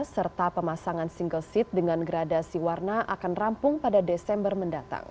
serta pemasangan single seat dengan gradasi warna akan rampung pada desember mendatang